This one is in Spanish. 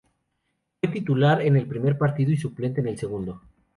Fue titular en el primer partido y suplente en el segundo.